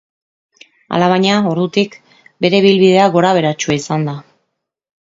Alabaina ordutik bere ibilbidea gorabeheratsua izan da.